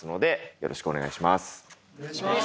よろしくお願いします！